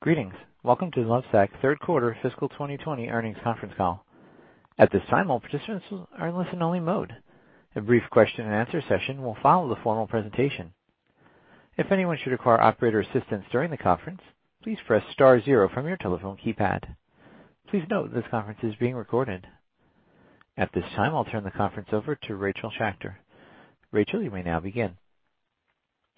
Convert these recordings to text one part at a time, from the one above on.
Greetings. Welcome to the Lovesac third quarter fiscal 2020 earnings conference call. At this time, all participants are in listen-only mode. A brief question-and-answer session will follow the formal presentation. If anyone should require operator assistance during the conference, please press star zero from your telephone keypad. Please note this conference is being recorded. At this time, I'll turn the conference over to Rachel Schacter. Rachel, you may now begin.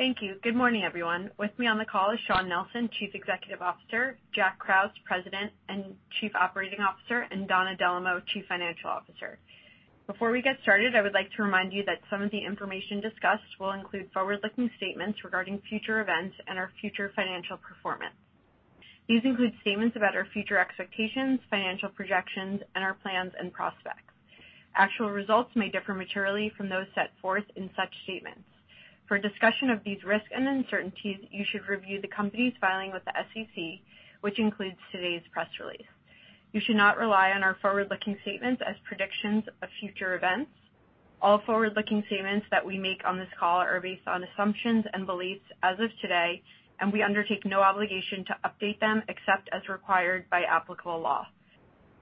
Thank you. Good morning, everyone. With me on the call is Shawn Nelson, Chief Executive Officer, Jack Krause, President and Chief Operating Officer, and Donna Dellomo, Chief Financial Officer. Before we get started, I would like to remind you that some of the information discussed will include forward-looking statements regarding future events and our future financial performance. These include statements about our future expectations, financial projections, and our plans and prospects. Actual results may differ materially from those set forth in such statements. For a discussion of these risks and uncertainties, you should review the company's filing with the SEC, which includes today's press release. You should not rely on our forward-looking statements as predictions of future events. All forward-looking statements that we make on this call are based on assumptions and beliefs as of today, and we undertake no obligation to update them except as required by applicable law.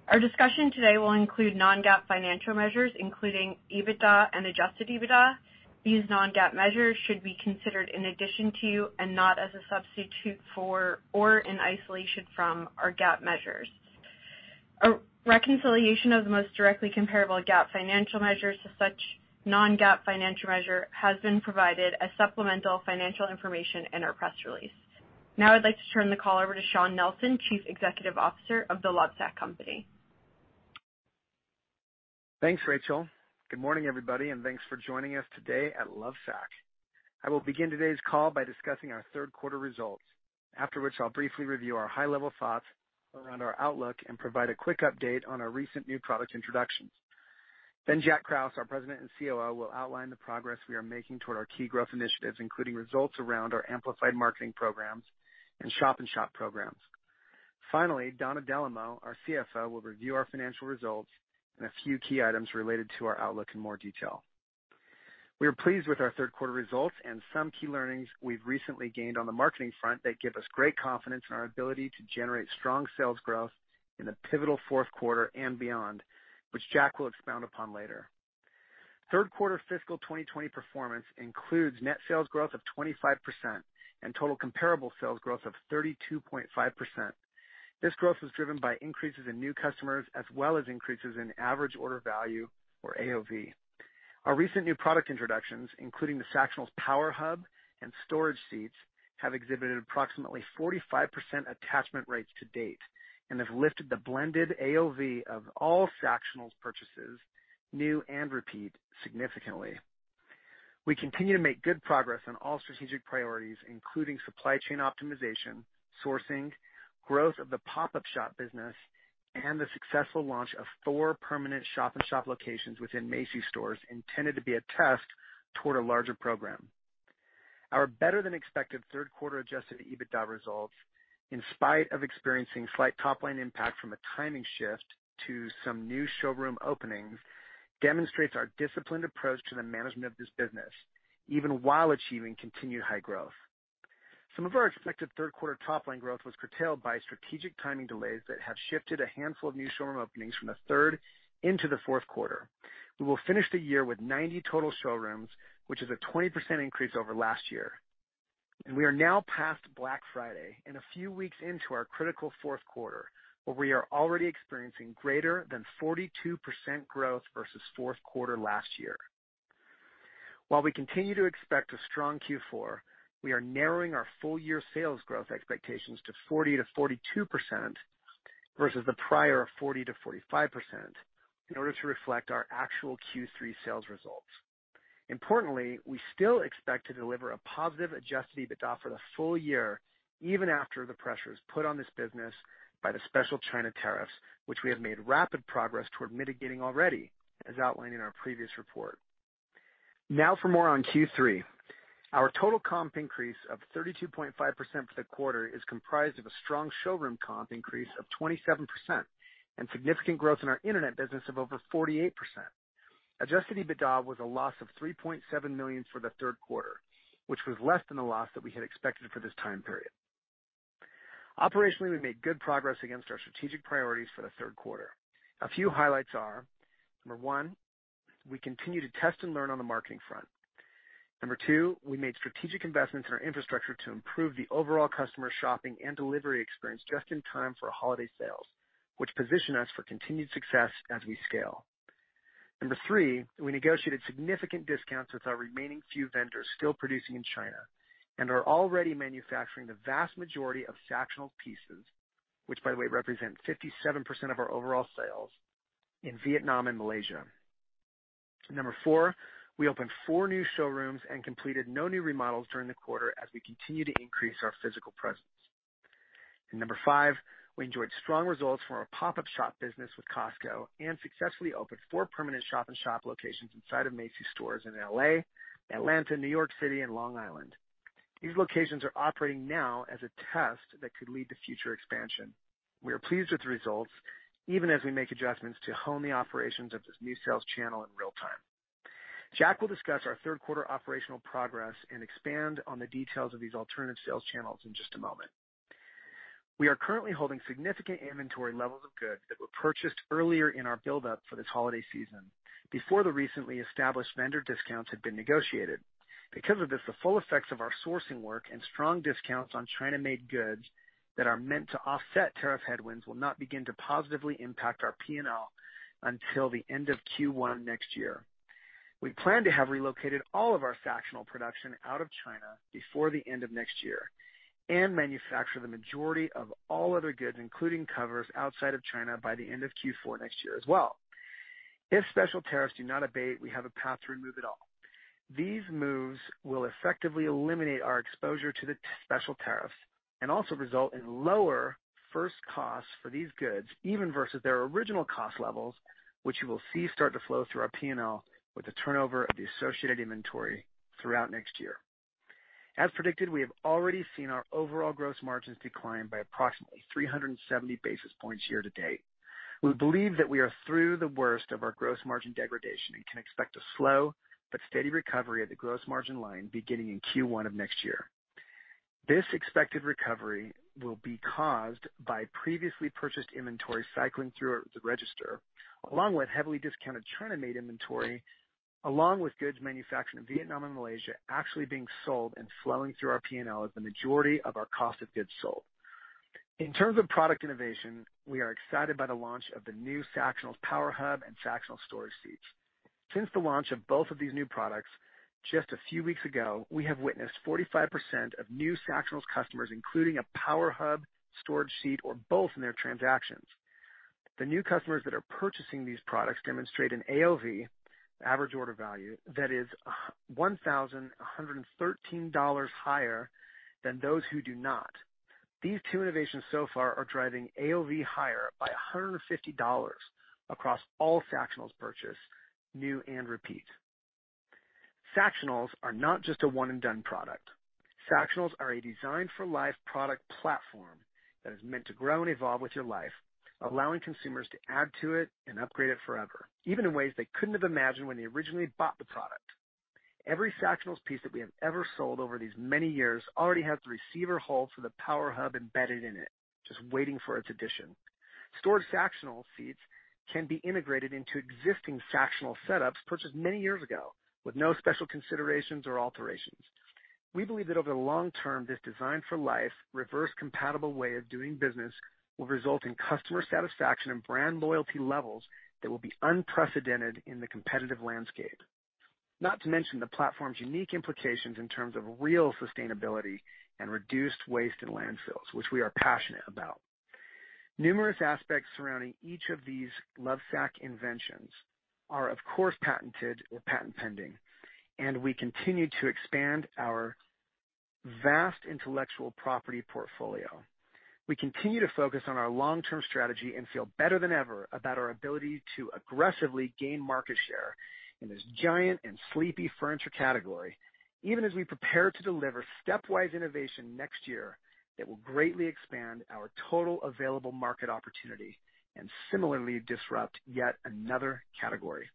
Our discussion today will include non-GAAP financial measures, including EBITDA and adjusted EBITDA. These non-GAAP measures should be considered in addition to and not as a substitute for or in isolation from our GAAP measures. A reconciliation of the most directly comparable GAAP financial measures to such non-GAAP financial measure has been provided as supplemental financial information in our press release. Now I'd like to turn the call over to Shawn Nelson, Chief Executive Officer of The Lovesac Company. Thanks, Rachel. Good morning, everybody, and thanks for joining us today at Lovesac. I will begin today's call by discussing our third quarter results. After which I'll briefly review our high-level thoughts around our outlook and provide a quick update on our recent new product introductions. Then Jack Krause, our President and COO, will outline the progress we are making toward our key growth initiatives, including results around our amplified marketing programs and shop-in-shop programs. Finally, Donna Dellomo, our CFO, will review our financial results and a few key items related to our outlook in more detail. We are pleased with our third quarter results and some key learnings we've recently gained on the marketing front that give us great confidence in our ability to generate strong sales growth in the pivotal fourth quarter and beyond, which Jack will expound upon later. Third quarter fiscal 2020 performance includes net sales growth of 25% and total comparable sales growth of 32.5%. This growth was driven by increases in new customers as well as increases in average order value or AOV. Our recent new product introductions, including the Sactionals Power Hub and Storage Seats, have exhibited approximately 45% attachment rates to date and have lifted the blended AOV of all Sactionals purchases, new and repeat, significantly. We continue to make good progress on all strategic priorities, including supply chain optimization, sourcing, growth of the pop-up shop business, and the successful launch of 4 permanent shop-in-shop locations within Macy's stores, intended to be a test toward a larger program. Our better-than-expected third quarter adjusted EBITDA results, in spite of experiencing slight top-line impact from a timing shift to some new showroom openings, demonstrates our disciplined approach to the management of this business, even while achieving continued high growth. Some of our expected third quarter top-line growth was curtailed by strategic timing delays that have shifted a handful of new showroom openings from the third into the fourth quarter. We will finish the year with 90 total showrooms, which is a 20% increase over last year. We are now past Black Friday and a few weeks into our critical fourth quarter, where we are already experiencing greater than 42% growth versus fourth quarter last year. While we continue to expect a strong Q4, we are narrowing our full-year sales growth expectations to 40%-42% versus the prior 40%-45% in order to reflect our actual Q3 sales results. Importantly, we still expect to deliver a positive adjusted EBITDA for the full year, even after the pressures put on this business by the special China tariffs, which we have made rapid progress toward mitigating already, as outlined in our previous report. Now for more on Q3. Our total comp increase of 32.5% for the quarter is comprised of a strong showroom comp increase of 27% and significant growth in our internet business of over 48%. Adjusted EBITDA was a loss of $3.7 million for the third quarter, which was less than the loss that we had expected for this time period. Operationally, we made good progress against our strategic priorities for the third quarter. A few highlights are, number one, we continue to test and learn on the marketing front. Number two, we made strategic investments in our infrastructure to improve the overall customer shopping and delivery experience just in time for holiday sales, which position us for continued success as we scale. Number three, we negotiated significant discounts with our remaining few vendors still producing in China and are already manufacturing the vast majority of Sactionals pieces, which by the way represent 57% of our overall sales, in Vietnam and Malaysia. Number four, we opened four new showrooms and completed no new remodels during the quarter as we continue to increase our physical presence. Number five, we enjoyed strong results from our pop-up shop business with Costco and successfully opened 4 permanent shop-in-shop locations inside of Macy's stores in L.A., Atlanta, New York City, and Long Island. These locations are operating now as a test that could lead to future expansion. We are pleased with the results even as we make adjustments to hone the operations of this new sales channel in real time. Jack will discuss our third quarter operational progress and expand on the details of these alternative sales channels in just a moment. We are currently holding significant inventory levels of goods that were purchased earlier in our build-up for this holiday season, before the recently established vendor discounts had been negotiated. Because of this, the full effects of our sourcing work and strong discounts on China-made goods that are meant to offset tariff headwinds will not begin to positively impact our P&L until the end of Q1 next year. We plan to have relocated all of our Sactionals production out of China before the end of next year and manufacture the majority of all other goods, including covers, outside of China by the end of Q4 next year as well. If special tariffs do not abate, we have a path to remove it all. These moves will effectively eliminate our exposure to the special tariffs and also result in lower first costs for these goods, even versus their original cost levels, which you will see start to flow through our P&L with the turnover of the associated inventory throughout next year. As predicted, we have already seen our overall gross margins decline by approximately 370 basis points year-to-date. We believe that we are through the worst of our gross margin degradation and can expect a slow but steady recovery at the gross margin line beginning in Q1 of next year. This expected recovery will be caused by previously purchased inventory cycling through the register, along with heavily discounted China-made inventory, along with goods manufactured in Vietnam and Malaysia actually being sold and flowing through our P&L as the majority of our cost of goods sold. In terms of product innovation, we are excited by the launch of the new Sactionals Power Hub and Sactionals Storage Seats. Since the launch of both of these new products just a few weeks ago, we have witnessed 45% of new Sactionals customers including a Power Hub Storage Seat or both in their transactions. The new customers that are purchasing these products demonstrate an AOV, average order value, that is $1,113 higher than those who do not. These two innovations so far are driving AOV higher by $150 across all Sactionals purchases, new and repeat. Sactionals are not just a one-and-done product. Sactionals are a designed-for-life product platform that is meant to grow and evolve with your life, allowing consumers to add to it and upgrade it forever, even in ways they couldn't have imagined when they originally bought the product. Every Sactionals piece that we have ever sold over these many years already has the receiver hole for the Power Hub embedded in it, just waiting for its addition. Storage Sactional seats can be integrated into existing Sactionals setups purchased many years ago with no special considerations or alterations. We believe that over the long term, this designed for life, reverse-compatible way of doing business will result in customer satisfaction and brand loyalty levels that will be unprecedented in the competitive landscape. Not to mention the platform's unique implications in terms of real sustainability and reduced waste in landfills, which we are passionate about. Numerous aspects surrounding each of these Lovesac inventions are of course patented or patent-pending, and we continue to expand our vast intellectual property portfolio. We continue to focus on our long-term strategy and feel better than ever about our ability to aggressively gain market share in this giant and sleepy furniture category, even as we prepare to deliver stepwise innovation next year that will greatly expand our total available market opportunity and similarly disrupt yet another category.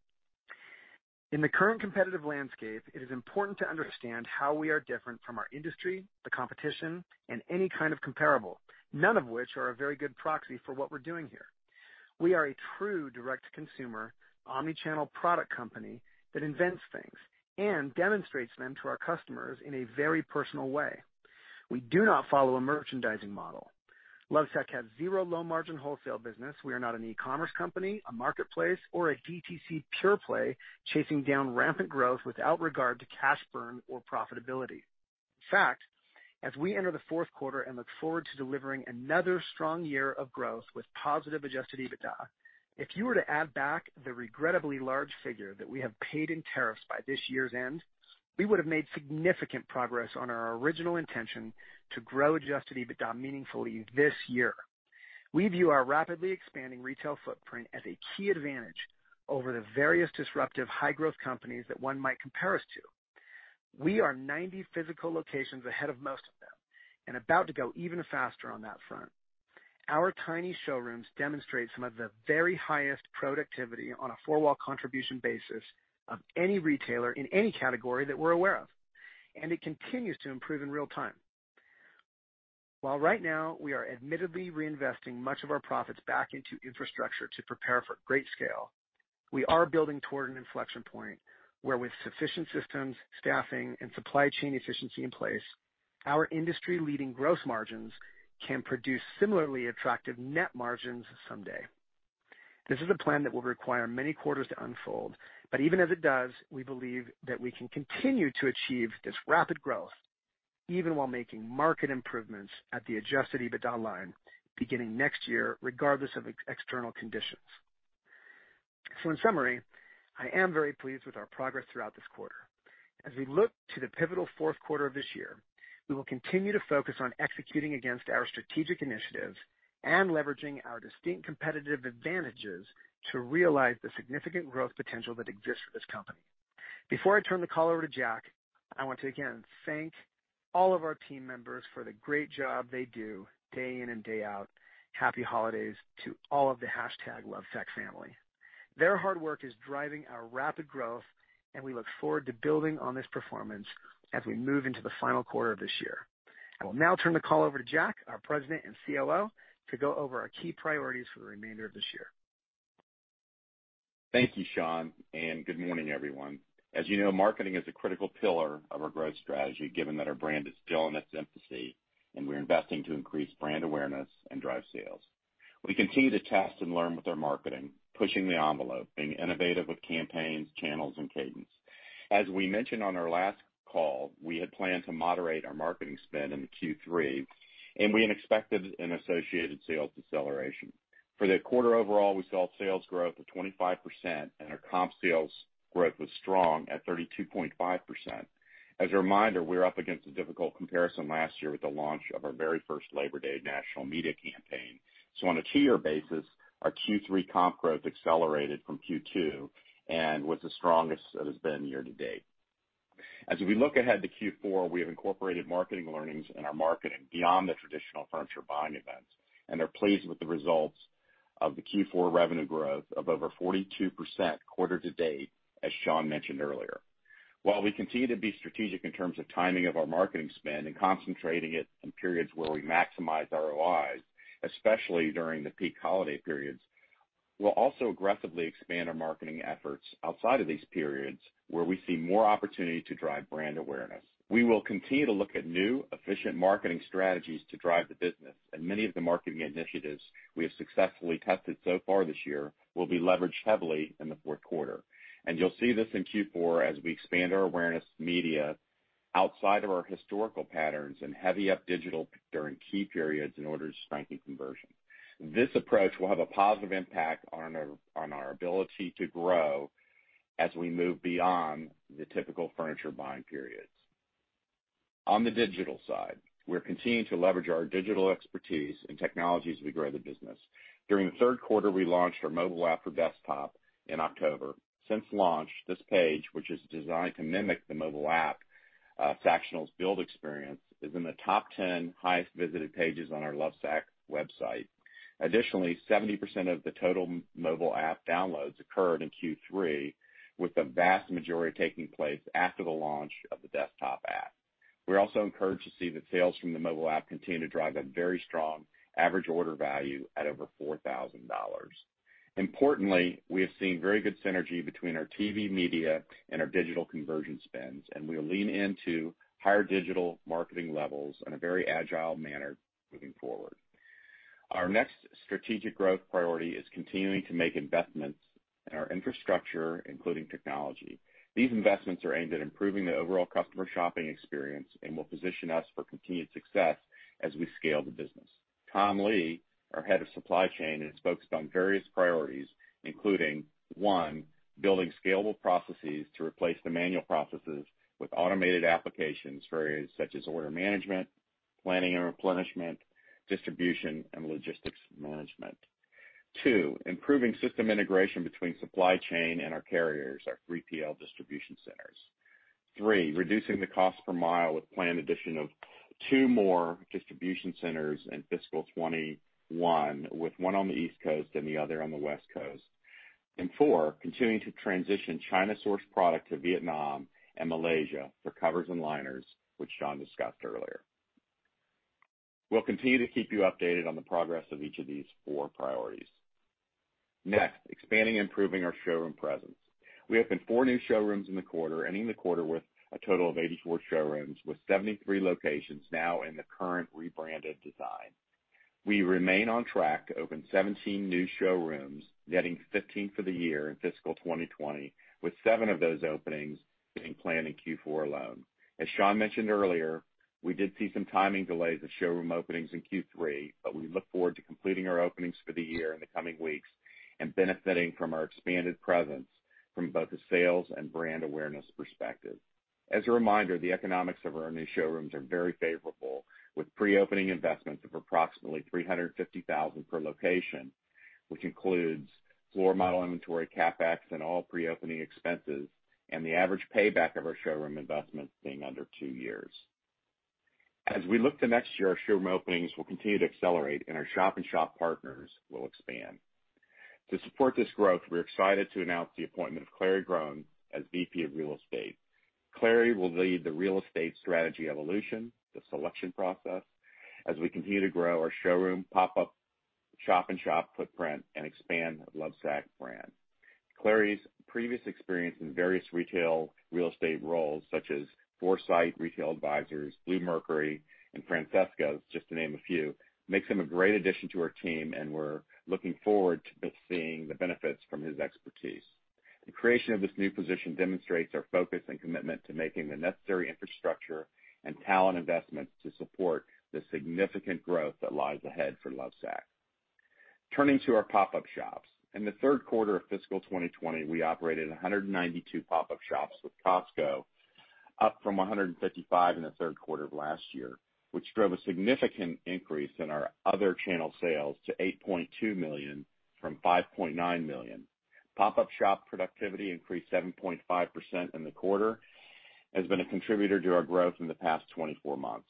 In the current competitive landscape, it is important to understand how we are different from our industry, the competition, and any kind of comparable, none of which are a very good proxy for what we're doing here. We are a true direct-to-consumer, omni-channel product company that invents things and demonstrates them to our customers in a very personal way. We do not follow a merchandising model. Lovesac has zero low-margin wholesale business. We are not an e-commerce company, a marketplace, or a DTC pure play chasing down rampant growth without regard to cash burn or profitability. In fact, as we enter the fourth quarter and look forward to delivering another strong year of growth with positive adjusted EBITDA, if you were to add back the regrettably large figure that we have paid in tariffs by this year's end, we would have made significant progress on our original intention to grow adjusted EBITDA meaningfully this year. We view our rapidly expanding retail footprint as a key advantage over the various disruptive high-growth companies that one might compare us to. We are 90 physical locations ahead of most of them and about to go even faster on that front. Our tiny showrooms demonstrate some of the very highest productivity on a four-wall contribution basis of any retailer in any category that we're aware of, and it continues to improve in real time. While right now we are admittedly reinvesting much of our profits back into infrastructure to prepare for great scale, we are building toward an inflection point where with sufficient systems, staffing, and supply chain efficiency in place, our industry-leading gross margins can produce similarly attractive net margins someday. This is a plan that will require many quarters to unfold, but even as it does, we believe that we can continue to achieve this rapid growth even while making margin improvements at the adjusted EBITDA line beginning next year, regardless of external conditions. In summary, I am very pleased with our progress throughout this quarter. As we look to the pivotal fourth quarter of this year, we will continue to focus on executing against our strategic initiatives and leveraging our distinct competitive advantages to realize the significant growth potential that exists for this company. Before I turn the call over to Jack, I want to again thank all of our team members for the great job they do day in and day out. Happy holidays to all of the hashtag Lovesac family. Their hard work is driving our rapid growth, and we look forward to building on this performance as we move into the final quarter of this year. I will now turn the call over to Jack, our President and COO, to go over our key priorities for the remainder of this year. Thank you, Shawn, and good morning, everyone. As you know, marketing is a critical pillar of our growth strategy, given that our brand is still in its infancy, and we're investing to increase brand awareness and drive sales. We continue to test and learn with our marketing, pushing the envelope, being innovative with campaigns, channels, and cadence. As we mentioned on our last call, we had planned to moderate our marketing spend into Q3, and we expected an associated sales deceleration. For the quarter overall, we saw sales growth of 25%, and our comp sales growth was strong at 32.5%. As a reminder, we were up against a difficult comparison last year with the launch of our very first Labor Day national media campaign. On a two-year basis, our Q3 comp growth accelerated from Q2 and was the strongest it has been year to date. As we look ahead to Q4, we have incorporated marketing learnings in our marketing beyond the traditional furniture buying events, and are pleased with the results of the Q4 revenue growth of over 42% quarter to date, as Shawn mentioned earlier. While we continue to be strategic in terms of timing of our marketing spend and concentrating it in periods where we maximize ROIs, especially during the peak holiday periods, we'll also aggressively expand our marketing efforts outside of these periods, where we see more opportunity to drive brand awareness. We will continue to look at new, efficient marketing strategies to drive the business, and many of the marketing initiatives we have successfully tested so far this year will be leveraged heavily in the fourth quarter. You'll see this in Q4 as we expand our awareness media outside of our historical patterns and heavy up digital during key periods in order to strengthen conversion. This approach will have a positive impact on our ability to grow as we move beyond the typical furniture buying periods. On the digital side, we're continuing to leverage our digital expertise and technologies as we grow the business. During the third quarter, we launched our mobile app for desktop in October. Since launch, this page, which is designed to mimic the mobile app Sactionals build experience, is in the top 10 highest visited pages on our Lovesac website. Additionally, 70% of the total mobile app downloads occurred in Q3, with the vast majority taking place after the launch of the desktop app. We're also encouraged to see that sales from the mobile app continue to drive a very strong average order value at over $4,000. Importantly, we have seen very good synergy between our TV media and our digital conversion spends, and we'll lean into higher digital marketing levels in a very agile manner moving forward. Our next strategic growth priority is continuing to make investments in our infrastructure, including technology. These investments are aimed at improving the overall customer shopping experience and will position us for continued success as we scale the business. Tom Lee, our Head of Supply Chain, is focused on various priorities, including, one, building scalable processes to replace the manual processes with automated applications for areas such as order management, planning and replenishment, distribution, and logistics management. Two, improving system integration between supply chain and our carriers, our 3PL distribution centers. Three, reducing the cost per mile with planned addition of 2 more distribution centers in fiscal 2021, with one on the East Coast and the other on the West Coast. Four, continuing to transition China-sourced product to Vietnam and Malaysia for covers and liners, which Shawn discussed earlier. We'll continue to keep you updated on the progress of each of these 4 priorities. Next, expanding and improving our showroom presence. We opened 4 new showrooms in the quarter, ending the quarter with a total of 84 showrooms, with 73 locations now in the current rebranded design. We remain on track to open 17 new showrooms, netting 15 for the year in fiscal 2020, with 7 of those openings being planned in Q4 alone. As Shawn mentioned earlier, we did see some timing delays of showroom openings in Q3, but we look forward to completing our openings for the year in the coming weeks and benefiting from our expanded presence from both a sales and brand awareness perspective. As a reminder, the economics of our new showrooms are very favorable, with pre-opening investments of approximately $350,000 per location, which includes floor model inventory, CapEx, and all pre-opening expenses, and the average payback of our showroom investments being under two years. As we look to next year, our showroom openings will continue to accelerate, and our shop-in-shop partners will expand. To support this growth, we're excited to announce the appointment of Clary Groen as VP of Real Estate. Clary will lead the real estate strategy evolution, the selection process as we continue to grow our showroom, pop-up, shop-in-shop footprint, and expand the Lovesac brand. Clary's previous experience in various retail real estate roles, such as 4Site Advisors, Bluemercury, and Francesca's, just to name a few, makes him a great addition to our team, and we're looking forward to seeing the benefits from his expertise. The creation of this new position demonstrates our focus and commitment to making the necessary infrastructure and talent investments to support the significant growth that lies ahead for Lovesac. Turning to our pop-up shops. In the third quarter of fiscal 2020, we operated 192 pop-up shops with Costco, up from 155 in the third quarter of last year, which drove a significant increase in our other channel sales to $8.2 million from $5.9 million. Pop-up shop productivity increased 7.5% in the quarter, has been a contributor to our growth in the past 24 months.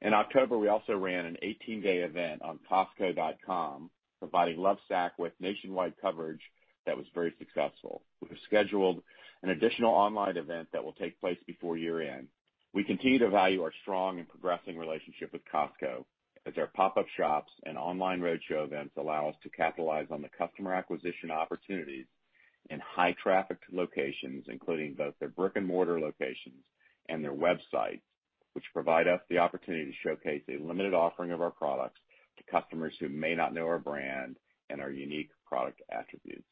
In October, we also ran an 18-day event on costco.com, providing Lovesac with nationwide coverage that was very successful. We have scheduled an additional online event that will take place before year-end. We continue to value our strong and progressing relationship with Costco, as our pop-up shops and online roadshow events allow us to capitalize on the customer acquisition opportunities in high-traffic locations, including both their brick-and-mortar locations and their websites, which provide us the opportunity to showcase a limited offering of our products to customers who may not know our brand and our unique product attributes.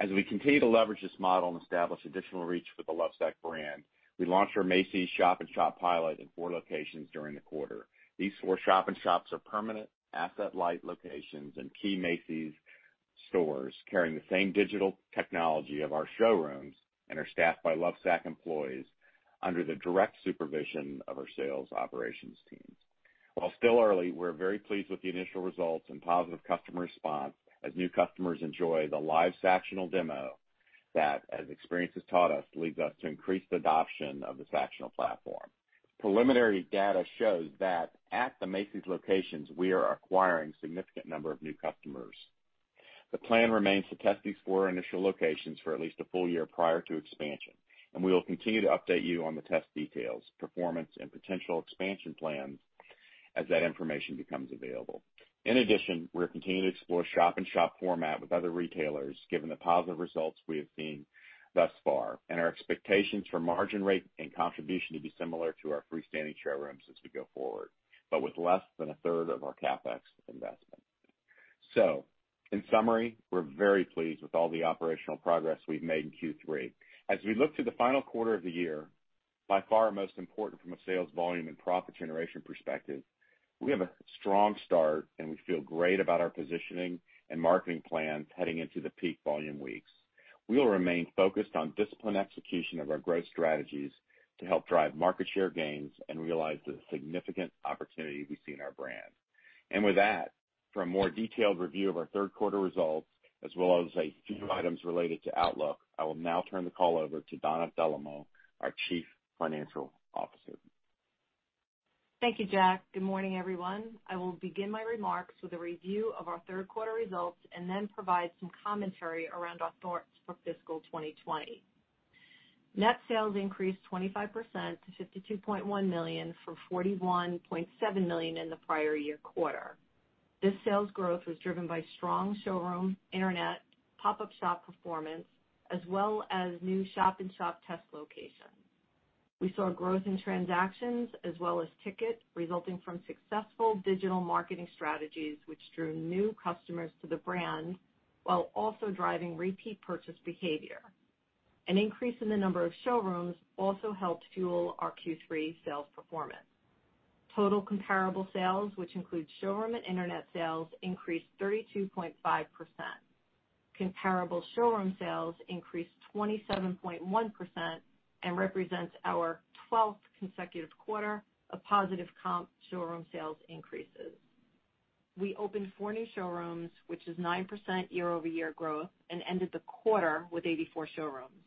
As we continue to leverage this model and establish additional reach for the Lovesac brand, we launched our Macy's shop-in-shop pilot in four locations during the quarter. These four shop-in-shops are permanent asset-light locations in key Macy's stores carrying the same digital technology of our showrooms and are staffed by Lovesac employees under the direct supervision of our sales operations teams. While still early, we're very pleased with the initial results and positive customer response as new customers enjoy the live Sactionals demo that, as experience has taught us, leads us to increased adoption of the Sactionals platform. Preliminary data shows that at the Macy's locations, we are acquiring significant number of new customers. The plan remains to test these four initial locations for at least a full year prior to expansion, and we will continue to update you on the test details, performance, and potential expansion plans as that information becomes available. In addition, we're continuing to explore shop-in-shop format with other retailers, given the positive results we have seen thus far, and our expectations for margin rate and contribution to be similar to our freestanding showrooms as we go forward, but with less than a third of our CapEx investment. In summary, we're very pleased with all the operational progress we've made in Q3. As we look to the final quarter of the year, by far most important from a sales volume and profit generation perspective, we have a strong start, and we feel great about our positioning and marketing plans heading into the peak volume weeks. We will remain focused on disciplined execution of our growth strategies to help drive market share gains and realize the significant opportunity we see in our brand. With that, for a more detailed review of our third quarter results, as well as a few items related to outlook, I will now turn the call over to Donna Dellomo, our Chief Financial Officer. Thank you, Jack. Good morning, everyone. I will begin my remarks with a review of our third quarter results, and then provide some commentary around our thoughts for fiscal 2020. Net sales increased 25% to $52.1 million from $41.7 million in the prior year quarter. This sales growth was driven by strong showroom, internet, pop-up shop performance, as well as new shop-in-shop test locations. We saw growth in transactions as well as ticket, resulting from successful digital marketing strategies, which drew new customers to the brand while also driving repeat purchase behavior. An increase in the number of showrooms also helped fuel our Q3 sales performance. Total comparable sales, which includes showroom and internet sales, increased 32.5%. Comparable showroom sales increased 27.1% and represents our 12th consecutive quarter of positive comp showroom sales increases. We opened 4 new showrooms, which is 9% year-over-year growth, and ended the quarter with 84 showrooms.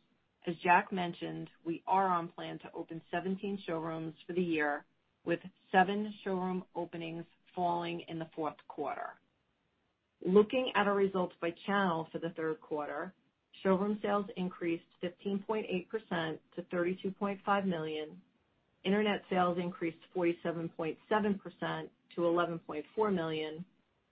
As Jack mentioned, we are on plan to open 17 showrooms for the year, with 7 showroom openings falling in the fourth quarter. Looking at our results by channel for the third quarter, showroom sales increased 15.8% to $32.5 million, internet sales increased 47.7% to $11.4 million,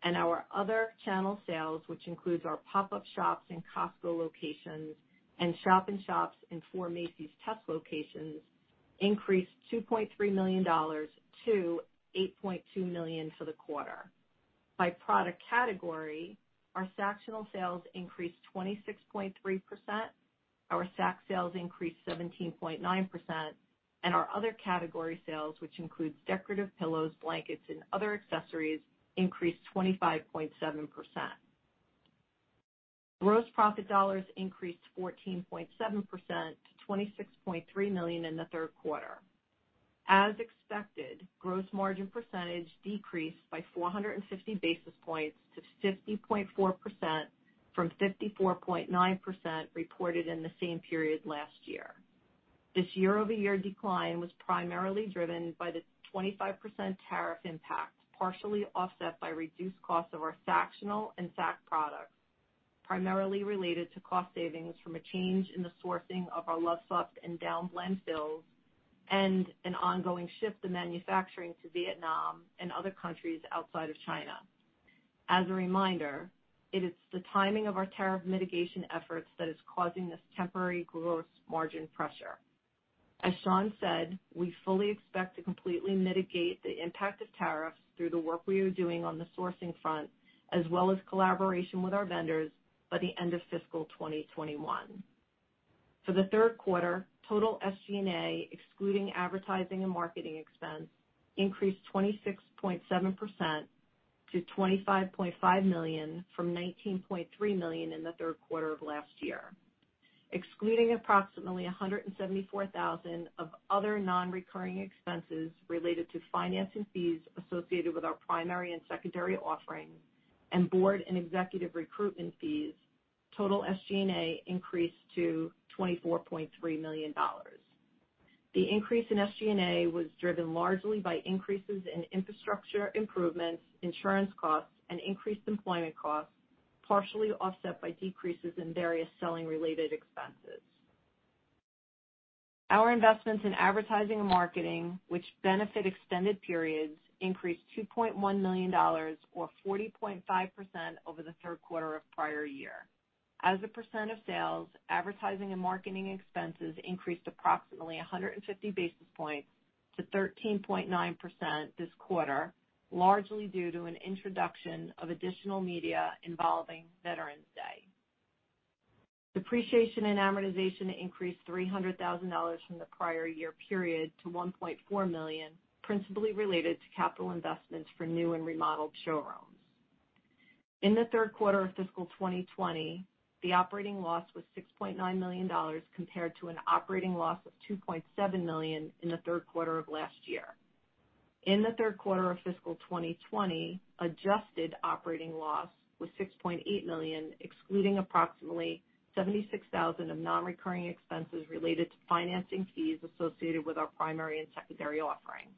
and our other channel sales, which includes our pop-up shops in Costco locations and shop-in-shops in 4 Macy's test locations, increased $2.3 million to $8.2 million for the quarter. By product category, our Sactional sales increased 26.3%, our Sac sales increased 17.9%, and our other category sales, which includes decorative pillows, blankets, and other accessories, increased 25.7%. Gross profit dollars increased 14.7% to $26.3 million in the third quarter. As expected, gross margin percentage decreased by 450 basis points to 50.4% from 54.9% reported in the same period last year. This year-over-year decline was primarily driven by the 25% tariff impact, partially offset by reduced costs of our Sactionals and Sac products, primarily related to cost savings from a change in the sourcing of our Lovesac and Down Blend fills and an ongoing shift in manufacturing to Vietnam and other countries outside of China. As a reminder, it is the timing of our tariff mitigation efforts that is causing this temporary gross margin pressure. As Shawn said, we fully expect to completely mitigate the impact of tariffs through the work we are doing on the sourcing front, as well as collaboration with our vendors by the end of fiscal 2021. For the third quarter, total SG&A, excluding advertising and marketing expense, increased 26.7% to $25.5 million from $19.3 million in the third quarter of last year. Excluding approximately $174,000 of other non-recurring expenses related to financing fees associated with our primary and secondary offerings and board and executive recruitment fees, total SG&A increased to $24.3 million. The increase in SG&A was driven largely by increases in infrastructure improvements, insurance costs, and increased employment costs, partially offset by decreases in various selling-related expenses. Our investments in advertising and marketing, which benefit extended periods, increased $2.1 million or 40.5% over the third quarter of prior year. As a percent of sales, advertising and marketing expenses increased approximately 150 basis points to 13.9% this quarter, largely due to an introduction of additional media involving Veterans Day. Depreciation and amortization increased $300,000 from the prior year period to $1.4 million, principally related to capital investments for new and remodeled showrooms. In the third quarter of fiscal 2020, the operating loss was $6.9 million compared to an operating loss of $2.7 million in the third quarter of last year. In the third quarter of fiscal 2020, adjusted operating loss was $6.8 million, excluding approximately $76,000 of non-recurring expenses related to financing fees associated with our primary and secondary offering.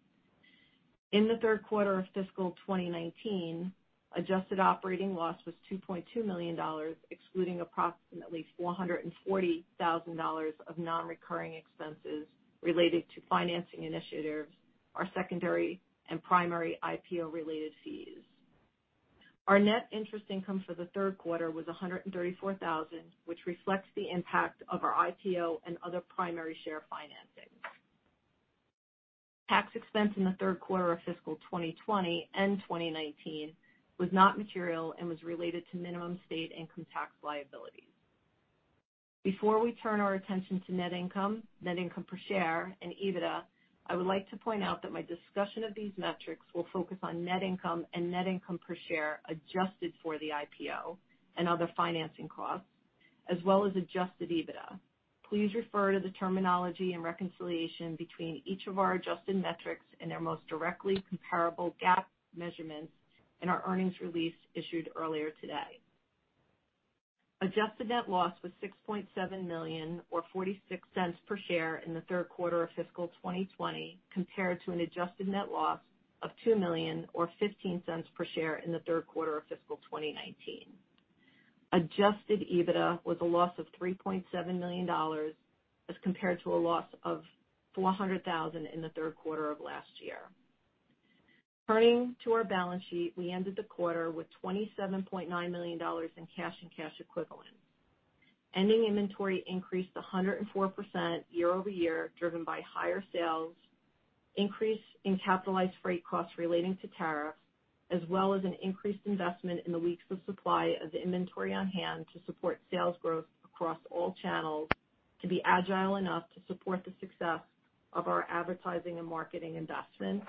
In the third quarter of fiscal 2019, adjusted operating loss was $2.2 million, excluding approximately $440,000 of non-recurring expenses related to financing initiatives, our secondary and primary IPO-related fees. Our net interest income for the third quarter was $134,000, which reflects the impact of our IPO and other primary share financing. Tax expense in the third quarter of fiscal 2020 and 2019 was not material and was related to minimum state income tax liabilities. Before we turn our attention to net income, net income per share and EBITDA, I would like to point out that my discussion of these metrics will focus on net income and net income per share adjusted for the IPO and other financing costs, as well as adjusted EBITDA. Please refer to the terminology and reconciliation between each of our adjusted metrics and their most directly comparable GAAP measurements in our earnings release issued earlier today. Adjusted net loss was $6.7 million or $0.46 per share in the third quarter of fiscal 2020, compared to an adjusted net loss of $2 million or $0.15 per share in the third quarter of fiscal 2019. Adjusted EBITDA was a loss of $3.7 million as compared to a loss of $400,000 in the third quarter of last year. Turning to our balance sheet, we ended the quarter with $27.9 million in cash and cash equivalents. Ending inventory increased 104% year-over-year, driven by higher sales, increase in capitalized freight costs relating to tariffs, as well as an increased investment in the weeks of supply of the inventory on hand to support sales growth across all channels to be agile enough to support the success of our advertising and marketing investments.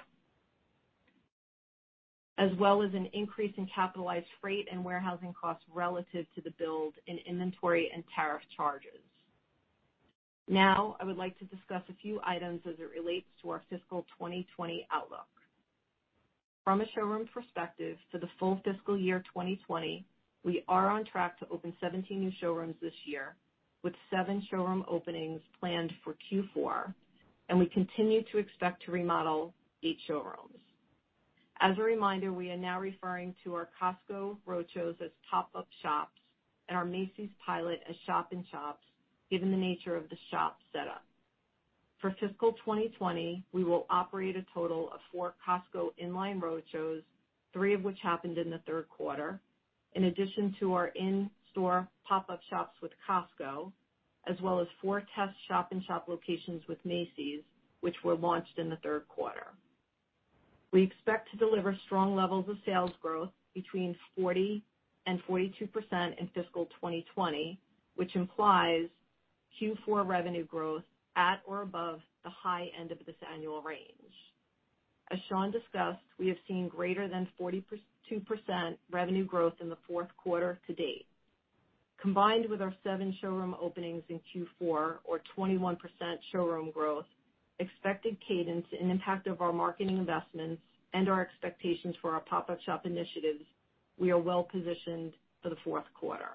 As well as an increase in capitalized freight and warehousing costs relative to the build in inventory and tariff charges. Now, I would like to discuss a few items as it relates to our fiscal 2020 outlook. From a showroom perspective to the full fiscal year 2020, we are on track to open 17 new showrooms this year with 7 showroom openings planned for Q4, and we continue to expect to remodel 8 showrooms. As a reminder, we are now referring to our Costco roadshows as pop-up shops and our Macy's pilot as shop in shops, given the nature of the shop setup. For fiscal 2020, we will operate a total of 4 Costco inline roadshows, 3 of which happened in the third quarter. In addition to our in-store pop-up shops with Costco, as well as 4 test shop in shop locations with Macy's, which were launched in the third quarter. We expect to deliver strong levels of sales growth between 40%-42% in fiscal 2020, which implies Q4 revenue growth at or above the high end of this annual range. As Sean discussed, we have seen greater than 42% revenue growth in the fourth quarter to date. Combined with our 7 showroom openings in Q4 or 21% showroom growth, expected cadence and impact of our marketing investments and our expectations for our pop-up shop initiatives, we are well positioned for the fourth quarter.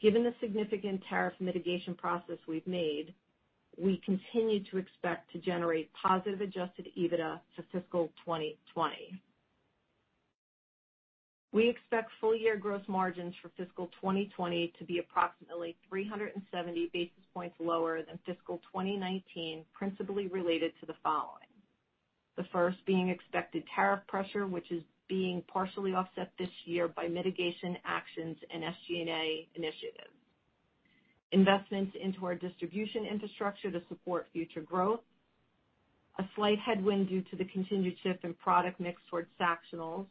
Given the significant tariff mitigation process we've made, we continue to expect to generate positive adjusted EBITDA for fiscal 2020. We expect full year gross margins for fiscal 2020 to be approximately 370 basis points lower than fiscal 2019, principally related to the following. The first being expected tariff pressure, which is being partially offset this year by mitigation actions and SG&A initiatives. Investments into our distribution infrastructure to support future growth. A slight headwind due to the continued shift in product mix towards Sactionals,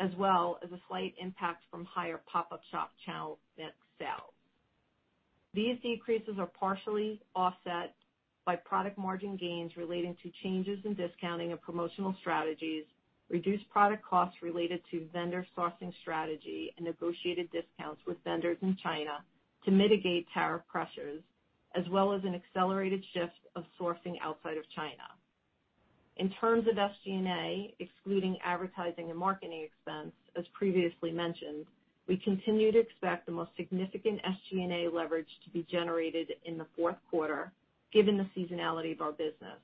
as well as a slight impact from higher pop-up shop channel mix sales. These decreases are partially offset by product margin gains relating to changes in discounting of promotional strategies, reduced product costs related to vendor sourcing strategy, and negotiated discounts with vendors in China to mitigate tariff pressures, as well as an accelerated shift of sourcing outside of China. In terms of SG&A, excluding advertising and marketing expense, as previously mentioned, we continue to expect the most significant SG&A leverage to be generated in the fourth quarter given the seasonality of our business.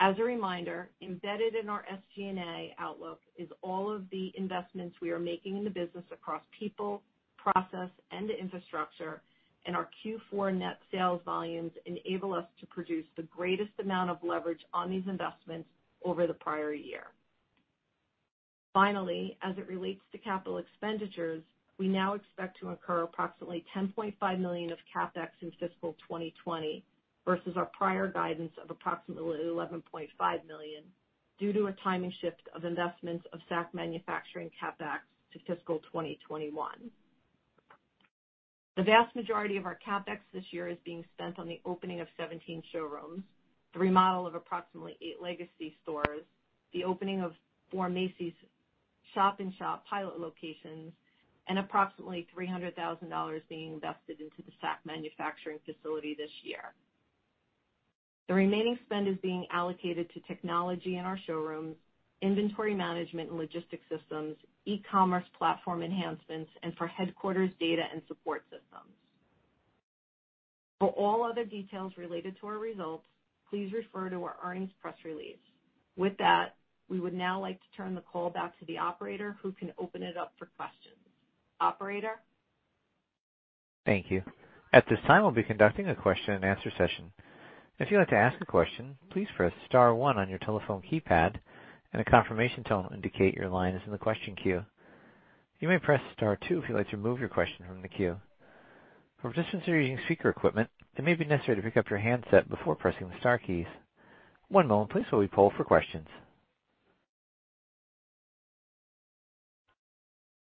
As a reminder, embedded in our SG&A outlook is all of the investments we are making in the business across people, process, and infrastructure, and our Q4 net sales volumes enable us to produce the greatest amount of leverage on these investments over the prior year. Finally, as it relates to capital expenditures, we now expect to incur approximately $10.5 million of CapEx in fiscal 2020 versus our prior guidance of approximately $11.5 million due to a timing shift of investments of Sac manufacturing CapEx to fiscal 2021. The vast majority of our CapEx this year is being spent on the opening of 17 showrooms, the remodel of approximately 8 legacy stores, the opening of 4 Macy's shop in shop pilot locations, and approximately $300,000 being invested into the Sac manufacturing facility this year. The remaining spend is being allocated to technology in our showrooms, inventory management and logistics systems, e-commerce platform enhancements, and for headquarters data and support systems. For all other details related to our results, please refer to our earnings press release. With that, we would now like to turn the call back to the operator who can open it up for questions. Operator? Thank you. At this time, we'll be conducting a question and answer session. If you'd like to ask a question, please press star one on your telephone keypad and a confirmation tone will indicate your line is in the question queue. You may press star two if you'd like to remove your question from the queue. For participants who are using speaker equipment, it may be necessary to pick up your handset before pressing the star keys. One moment please, while we poll for questions.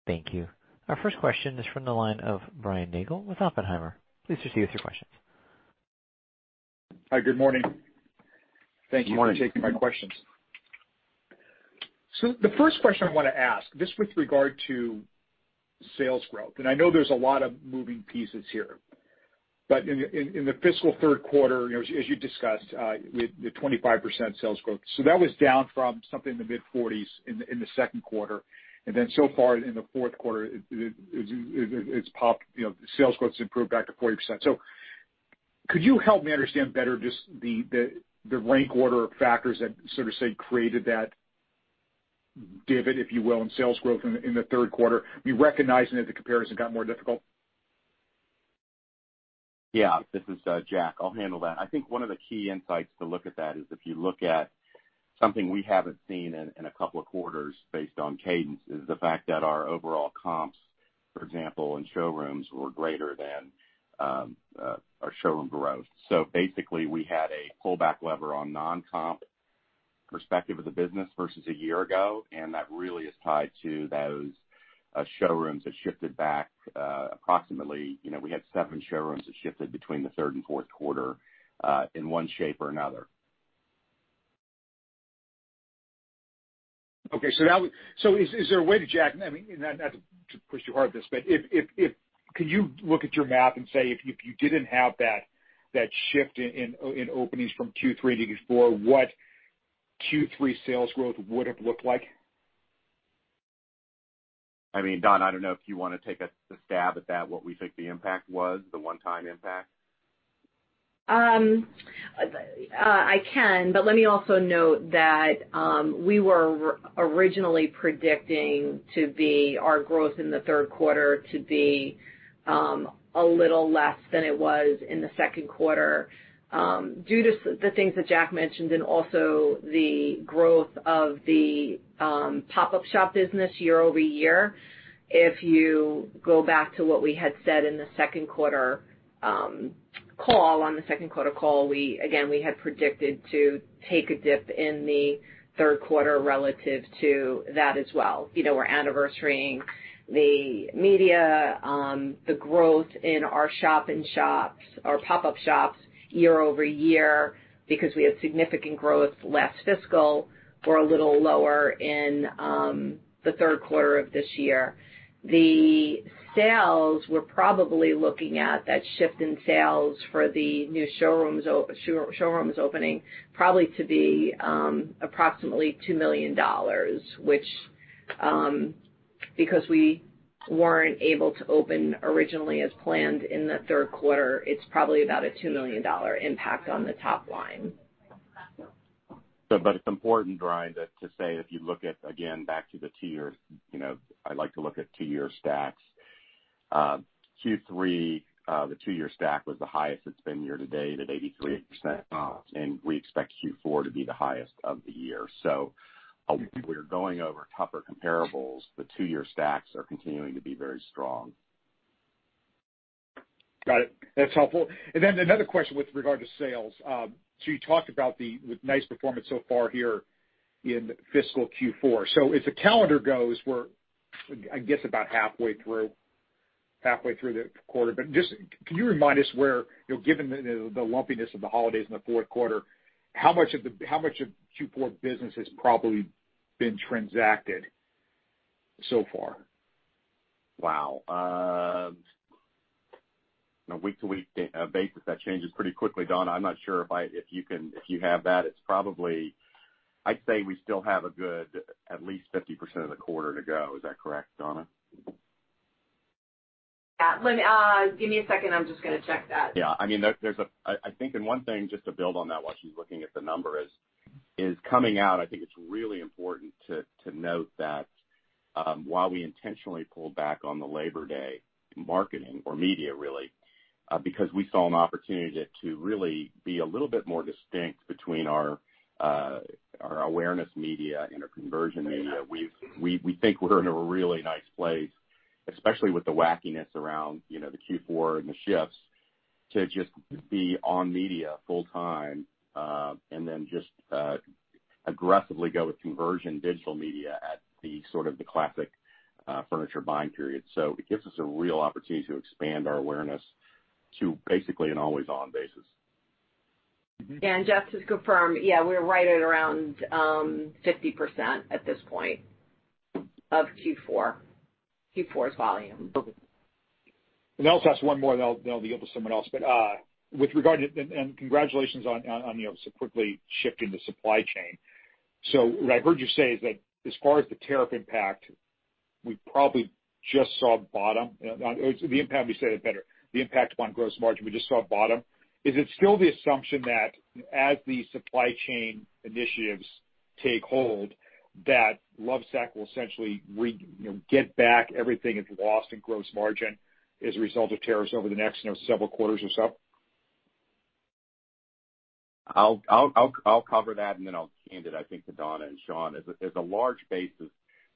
Thank you. Our first question is from the line of Brian Nagel with Oppenheimer & Co. Please proceed with your questions. Hi, good morning. Good morning. Thank you for taking my questions. The first question I want to ask, this with regard to sales growth, and I know there's a lot of moving pieces here. In the fiscal third quarter, you know, as you discussed, with the 25% sales growth. That was down from something in the mid-40s in the second quarter, and then so far in the fourth quarter, it's popped, you know, sales growth's improved back to 40%. Could you help me understand better just the rank order factors that sort of say created that divot, if you will, in sales growth in the third quarter? We recognize that the comparison got more difficult. Yeah, this is Jack. I'll handle that. I think one of the key insights to look at that is if you look at something we haven't seen in a couple of quarters based on cadence, is the fact that our overall comps, for example, in showrooms were greater than our showroom growth. Basically, we had a pullback lever on non-comp perspective of the business versus a year ago, and that really is tied to those showrooms that shifted back approximately. You know, we had 7 showrooms that shifted between the third and fourth quarter in one shape or another. Okay. Is there a way to Jack, I mean, not to push you hard on this, but could you look at your math and say if you didn't have that shift in openings from Q3 to Q4, what Q3 sales growth would have looked like? I mean, Donna, I don't know if you wanna take a stab at that, what we think the impact was, the one time impact. I can, but let me also note that we were originally predicting our growth in the third quarter to be a little less than it was in the second quarter due to the things that Jack mentioned, and also the growth of the pop-up shop business year over year. If you go back to what we had said in the second quarter call, on the second quarter call, we had predicted to take a dip in the third quarter relative to that as well. You know, we're anniversarying the media, the growth in our shop in shops or pop-up shops year over year because we have significant growth last fiscal. We're a little lower in the third quarter of this year. The sales, we're probably looking at that shift in sales for the new showrooms opening probably to be approximately $2 million, which, because we weren't able to open originally as planned in the third quarter, it's probably about a $2 million impact on the top line. It's important, Brian, to say if you look at, again, back to the two-year, you know, I like to look at two-year stacks. Q3, the two-year stack was the highest it's been year to date at 83%. Oh. We expect Q4 to be the highest of the year. I think we're going over tougher comparables. The two-year stacks are continuing to be very strong. Got it. That's helpful. Then another question with regard to sales. You talked about the nice performance so far here in fiscal Q4. As the calendar goes, we're I guess about halfway through the quarter. Just can you remind us where, you know, given the lumpiness of the holidays in the fourth quarter, how much of the Q4 business has probably been transacted so far? Wow. On a week-to-week basis, that changes pretty quickly, Donna. I'm not sure if you can, if you have that. It's probably. I'd say we still have a good at least 50% of the quarter to go. Is that correct, Donna? Yeah. Let me give me a second. I'm just gonna check that. Yeah. I mean, I think one thing, just to build on that while she's looking at the number is coming out. I think it's really important to note that, while we intentionally pulled back on the Labor Day marketing or media really, because we saw an opportunity to really be a little bit more distinct between our awareness media and our conversion media, we think we're in a really nice place, especially with the wackiness around, you know, the Q4 and the shifts to just be on media full-time, and then just aggressively go with conversion digital media at the sort of the classic furniture buying period. It gives us a real opportunity to expand our awareness to basically an always on basis. Jack Krause just confirmed, yeah, we're right at around 50% at this point of Q4's volume. Let me also ask one more, then I'll deal with someone else. Congratulations on, you know, so quickly shifting the supply chain. What I heard you say is that as far as the tariff impact, we probably just saw bottom. The impact, let me say it better. The impact on gross margin, we just saw bottom. Is it still the assumption that as the supply chain initiatives take hold, that Lovesoft will essentially get back everything it's lost in gross margin as a result of tariffs over the next, you know, several quarters or so? I'll cover that, and then I'll hand it, I think, to Donna and Sean. As a large base,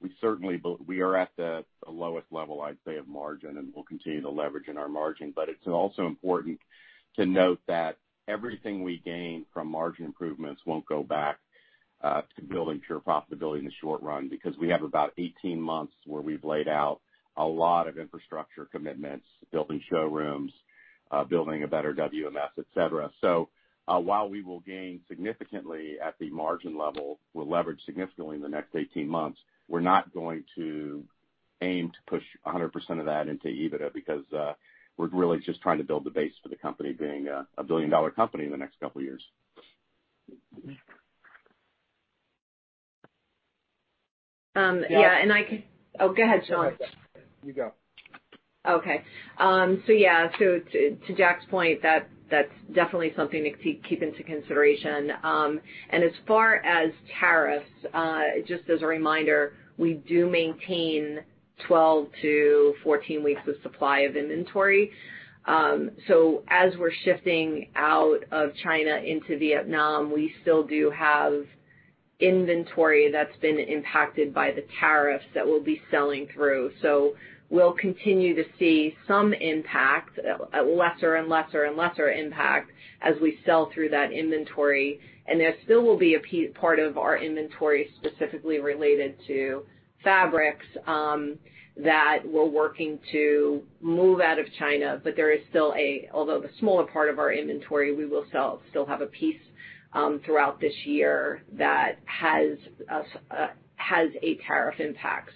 we certainly are at the lowest level, I'd say, of margin, and we'll continue to leverage in our margin. It's also important to note that everything we gain from margin improvements won't go back to building pure profitability in the short run because we have about 18 months where we've laid out a lot of infrastructure commitments, building showrooms, building a better WMS, et cetera. While we will gain significantly at the margin level, we'll leverage significantly in the next 18 months, we're not going to aim to push 100% of that into EBITDA because we're really just trying to build the base for the company being a billion-dollar company in the next couple years. Oh, go ahead, Sean. You go. To Jack's point, that's definitely something to keep into consideration. As far as tariffs, just as a reminder, we do maintain 12-14 weeks of supply of inventory. As we're shifting out of China into Vietnam, we still do have inventory that's been impacted by the tariffs that we'll be selling through. We'll continue to see some impact, a lesser and lesser impact as we sell through that inventory. There still will be a part of our inventory specifically related to fabrics that we're working to move out of China. There is still, although the smaller part of our inventory, we will still have a piece throughout this year that has a tariff impact.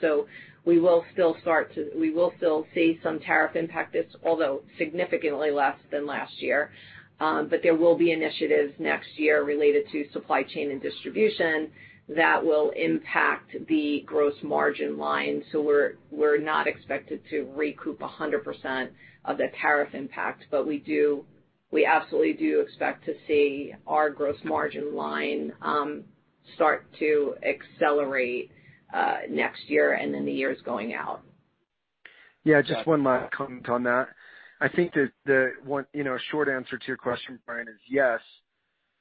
We will still start to. We will still see some tariff impact this year, although significantly less than last year. There will be initiatives next year related to supply chain and distribution that will impact the gross margin line. We're not expected to recoup 100% of the tariff impact, but we do, we absolutely do expect to see our gross margin line start to accelerate next year and in the years going out. Yeah, just one last comment on that. I think that the one, you know, short answer to your question, Brian, is yes,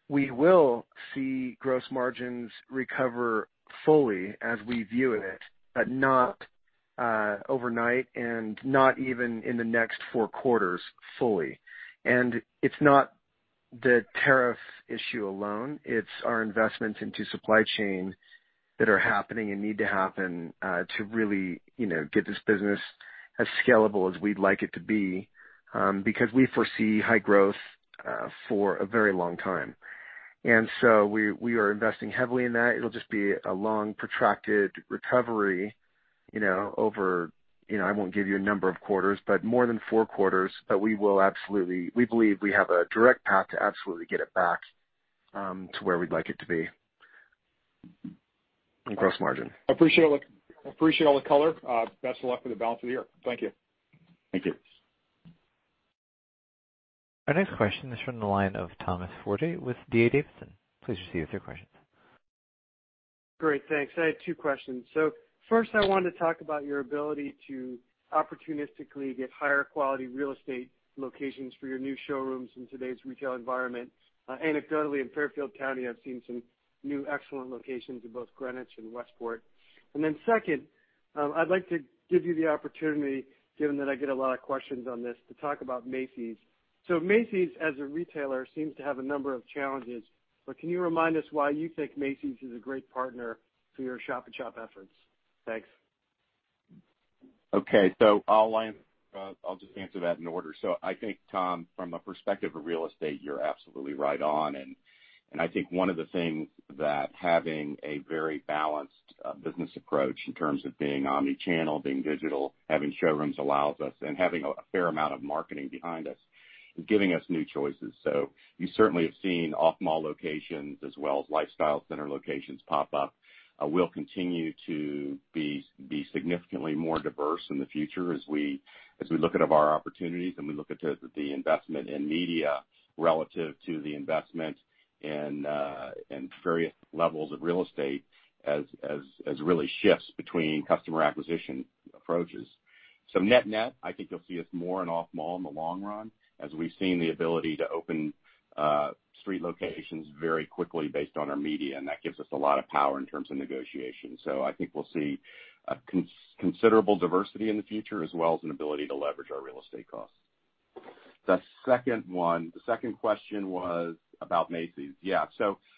we will see gross margins recover fully as we view it, but not overnight and not even in the next four quarters fully. It's not the tariff issue alone. It's our investments into supply chain that are happening and need to happen to really, you know, get this business as scalable as we'd like it to be, because we foresee high growth for a very long time. We are investing heavily in that. It'll just be a long, protracted recovery, you know, over, I won't give you a number of quarters, but more than four quarters that we will absolutely. We believe we have a direct path to absolutely get it back to where we'd like it to be in gross margin. Appreciate all the color. Best of luck for the balance of the year. Thank you. Thank you. Our next question is from the line of Thomas Forte with D.A. Davidson. Please proceed with your questions. Great. Thanks. I had two questions. First, I wanted to talk about your ability to opportunistically get higher quality real estate locations for your new showrooms in today's retail environment. Anecdotally in Fairfield County, I've seen some new excellent locations in both Greenwich and Westport. Second, I'd like to give you the opportunity, given that I get a lot of questions on this, to talk about Macy's. Macy's, as a retailer, seems to have a number of challenges, but can you remind us why you think Macy's is a great partner for your shop at shop efforts? Thanks. Okay. I'll just answer that in order. I think, Tom, from a perspective of real estate, you're absolutely right on. I think one of the things that having a very balanced business approach in terms of being omnichannel, being digital, having showrooms allows us and having a fair amount of marketing behind us is giving us new choices. You certainly have seen off mall locations as well as lifestyle center locations pop up. We'll continue to be significantly more diverse in the future as we look at our opportunities and we look at the investment in media relative to the investment in various levels of real estate as really shifts between customer acquisition approaches. Net-net, I think you'll see us more in off mall in the long run as we've seen the ability to open street locations very quickly based on our media, and that gives us a lot of power in terms of negotiation. I think we'll see a considerable diversity in the future as well as an ability to leverage our real estate costs. The second one, the second question was about Macy's. Yeah.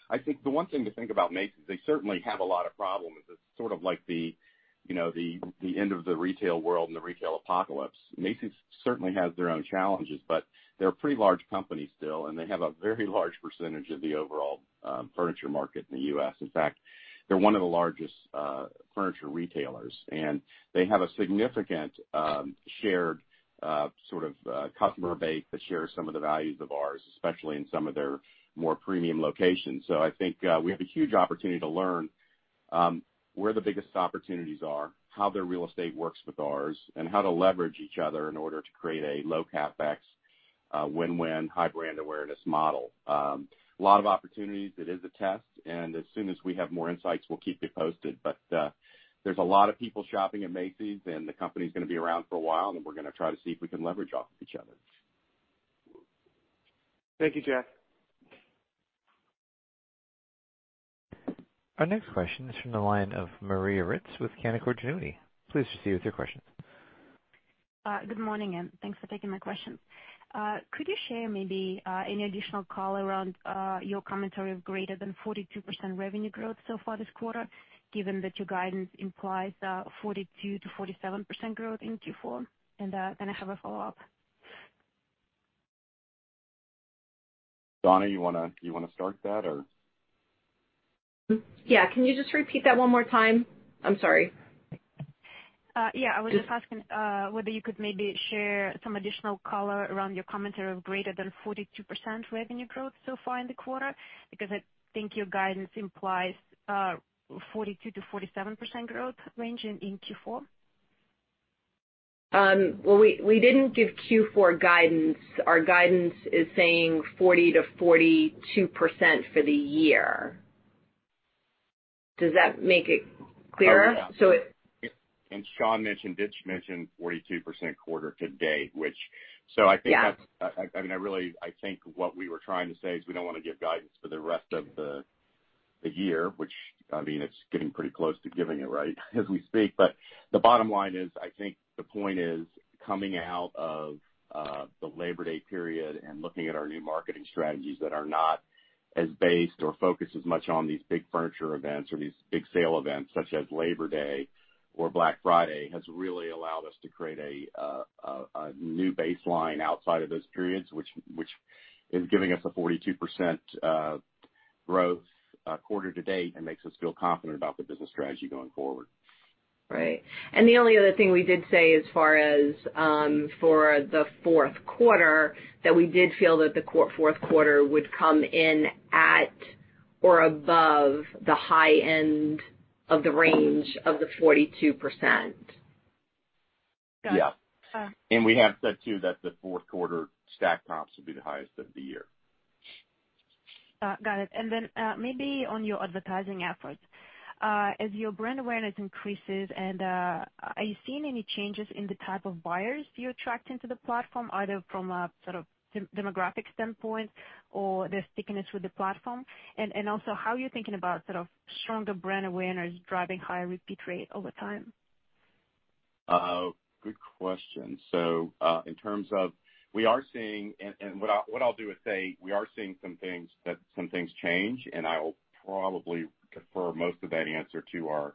I think the one thing to think about Macy's, they certainly have a lot of problems. It's sort of like the you know the end of the retail world and the retail apocalypse. Macy's certainly has their own challenges, but they're a pretty large company still, and they have a very large percentage of the overall furniture market in the U.S. In fact, they're one of the largest, furniture retailers, and they have a significant, shared, sort of, customer base that shares some of the values of ours, especially in some of their more premium locations. I think, we have a huge opportunity to learn, where the biggest opportunities are, how their real estate works with ours, and how to leverage each other in order to create a low CapEx, win-win, high brand awareness model. A lot of opportunities. It is a test, and as soon as we have more insights, we'll keep you posted. There's a lot of people shopping at Macy's, and the company's gonna be around for a while, and we're gonna try to see if we can leverage off of each other. Thank you, Jack. Our next question is from the line of Maria Ripps with Canaccord Genuity. Please proceed with your question. Good morning, thanks for taking my question. Could you share maybe any additional color around your commentary of greater than 42% revenue growth so far this quarter, given that your guidance implies 42%-47% growth in Q4? I have a follow-up. Donna, you wanna start that or. Yeah. Can you just repeat that one more time? I'm sorry. Yeah. I was just asking whether you could maybe share some additional color around your commentary of greater than 42% revenue growth so far in the quarter because I think your guidance implies 42%-47% growth range in Q4. Well, we didn't give Q4 guidance. Our guidance is saying 40%-42% for the year. Does that make it clearer? Oh, yeah. So it- Shawn mentioned 42% quarter to date. I think that's Yeah. I mean, I really think what we were trying to say is we don't wanna give guidance for the rest of the year, which, I mean, it's getting pretty close to giving it, right, as we speak. The bottom line is, I think the point is, coming out of the Labor Day period and looking at our new marketing strategies that are not as based or focused as much on these big furniture events or these big sale events, such as Labor Day or Black Friday, has really allowed us to create a new baseline outside of those periods, which is giving us a 42% growth quarter to date, and makes us feel confident about the business strategy going forward. Right. The only other thing we did say as far as, for the fourth quarter, that we did feel that the fourth quarter would come in at or above the high end of the range of the 42%. Got it. Yeah. Uh. We have said too that the fourth quarter stack comps will be the highest of the year. Got it. Maybe on your advertising efforts. As your brand awareness increases, are you seeing any changes in the type of buyers you're attracting to the platform, either from a sort of demographic standpoint or their stickiness with the platform? Also, how are you thinking about sort of stronger brand awareness driving higher repeat rate over time? Good question. In terms of we are seeing. What I'll do is say we are seeing some things that change, and I'll probably defer most of that answer to our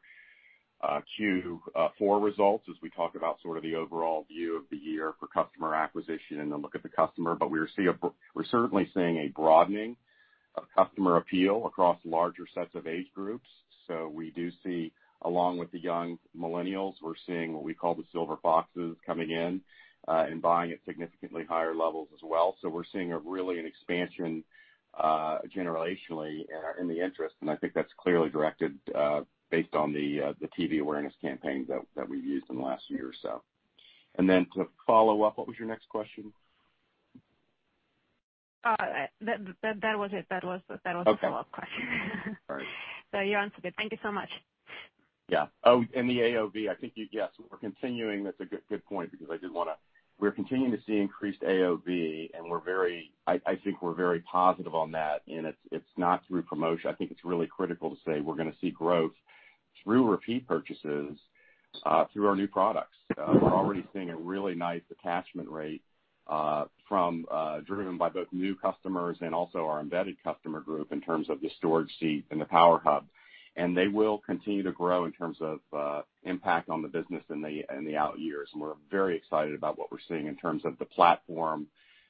Q4 results as we talk about sort of the overall view of the year for customer acquisition and a look at the customer. We're certainly seeing a broadening of customer appeal across larger sets of age groups. We do see, along with the young millennials, we're seeing what we call the silver foxes coming in and buying at significantly higher levels as well. We're seeing a really an expansion generationally in the interest, and I think that's clearly directed based on the TV awareness campaign that we've used in the last year or so. To follow up, what was your next question? That was it. Okay. Follow-up question. All right. You answered it. Thank you so much. Oh, and the AOV. Yes, we're continuing. That's a good point because I did wanna. We're continuing to see increased AOV, and we're very, I think we're very positive on that, and it's not through promotion. I think it's really critical to say we're gonna see growth through repeat purchases, through our new products. We're already seeing a really nice attachment rate, driven by both new customers and also our embedded customer group in terms of the Storage Seat and the Power Hub. They will continue to grow in terms of impact on the business in the out years. We're very excited about what we're seeing in terms of the platform.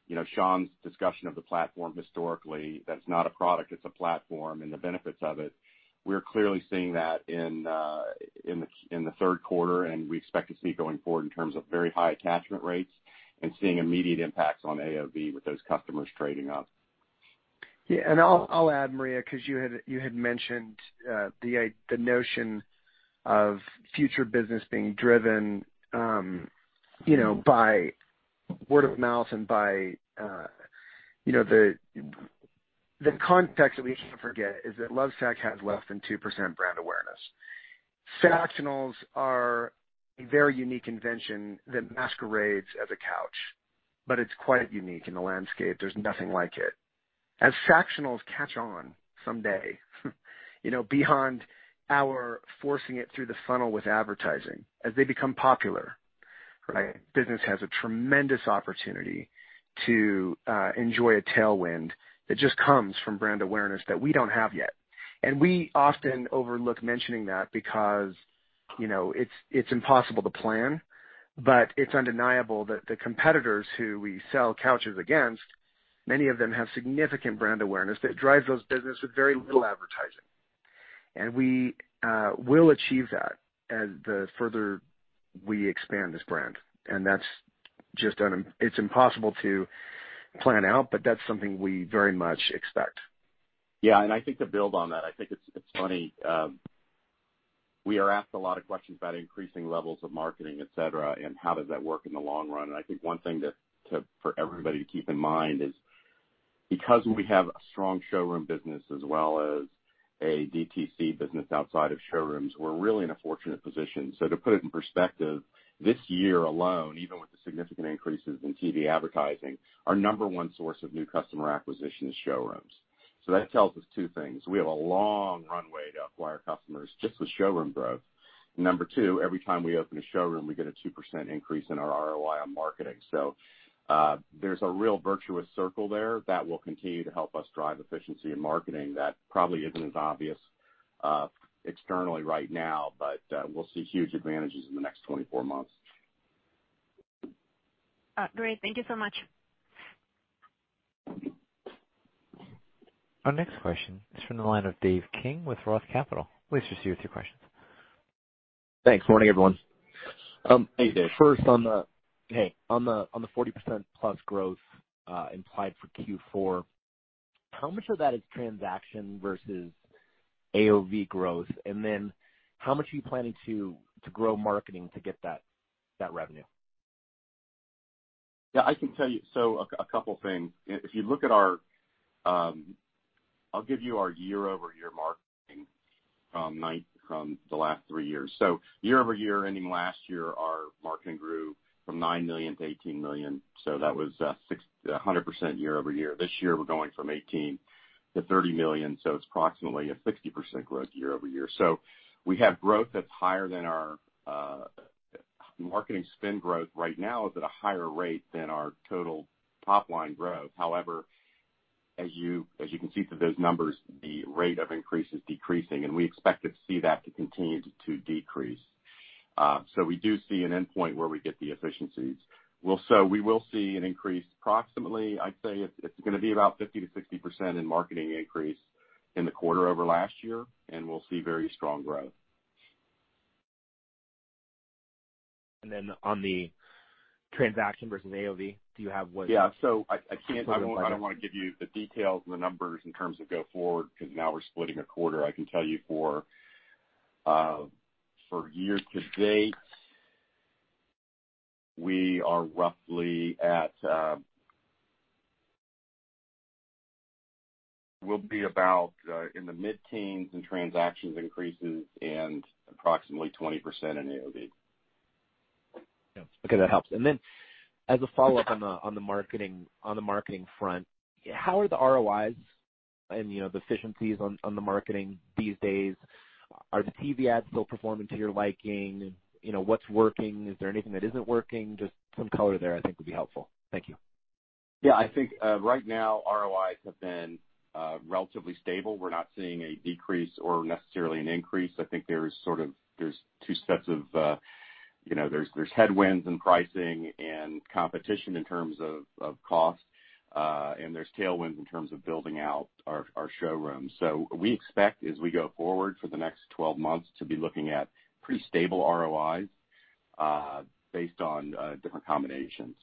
You know, Shawn's discussion of the platform historically, that's not a product, it's a platform, and the benefits of it, we're clearly seeing that in the third quarter, and we expect to see going forward in terms of very high attachment rates and seeing immediate impacts on AOV with those customers trading up. I'll add, Maria, because you had mentioned the notion of future business being driven, you know, by word of mouth and by, you know, the context that we can't forget is that Lovesoft has less than 2% brand awareness. Sactionals are a very unique invention that masquerades as a couch, but it's quite unique in the landscape. There's nothing like it. As Sactionals catch on someday, you know, beyond our forcing it through the funnel with advertising, as they become popular, right, business has a tremendous opportunity to enjoy a tailwind that just comes from brand awareness that we don't have yet. We often overlook mentioning that because, you know, it's impossible to plan. It's undeniable that the competitors who we sell couches against, many of them have significant brand awareness that drives those business with very little advertising. We will achieve that as the further we expand this brand. That's just impossible to plan out, but that's something we very much expect. Yeah, I think to build on that, I think it's funny, we are asked a lot of questions about increasing levels of marketing, et cetera, and how does that work in the long run. I think one thing to for everybody to keep in mind is because we have a strong showroom business as well as a DTC business outside of showrooms, we're really in a fortunate position. To put it in perspective, this year alone, even with the significant increases in TV advertising, our number one source of new customer acquisition is showrooms. That tells us two things. We have a long runway to acquire customers just with showroom growth. Number two, every time we open a showroom, we get a 2% increase in our ROI on marketing. There's a real virtuous circle there that will continue to help us drive efficiency in marketing that probably isn't as obvious externally right now, but we'll see huge advantages in the next 24 months. Great. Thank you so much. Our next question is from the line of Dave King with Roth Capital. We'll just hear your two questions. Thanks. Good morning, everyone. Hey, Dave. First on the 40%+ growth implied for Q4, how much of that is transaction versus AOV growth? Then how much are you planning to grow marketing to get that revenue? Yeah, I can tell you a couple things. If you look at our, I'll give you our year-over-year marketing from the last three years. Year-over-year ending last year, our marketing grew from $9 million to $18 million, so that was 100% year-over-year. This year, we're going from $18 million to $30 million, so it's approximately 60% growth year-over-year. We have growth that's higher than our marketing spend growth right now is at a higher rate than our total top line growth. However, as you can see through those numbers, the rate of increase is decreasing, and we expect to see that continue to decrease. We do see an endpoint where we get the efficiencies. We will see an increase approximately. I'd say it's gonna be about 50%-60% in marketing increase in the quarter over last year, and we'll see very strong growth. On the transaction versus AOV, do you have what- Yeah, I can't. Total like I don't wanna give you the details and the numbers in terms of go forward because now we're splitting a quarter. I can tell you for year to date, we'll be about roughly in the mid-teens in transactions increases and approximately 20% in AOV. Yeah. Okay, that helps. As a follow-up on the marketing front, how are the ROIs and, you know, the efficiencies on the marketing these days? Are the TV ads still performing to your liking? You know, what's working? Is there anything that isn't working? Just some color there I think would be helpful. Thank you. Yeah. I think right now ROIs have been relatively stable. We're not seeing a decrease or necessarily an increase. I think there's two sets of, you know, headwinds in pricing and competition in terms of cost, and there's tailwinds in terms of building out our showrooms. We expect as we go forward for the next 12 months to be looking at pretty stable ROIs based on different combinations.